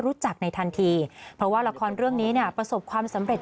ในทันทีเพราะว่าละครเรื่องนี้เนี่ยประสบความสำเร็จ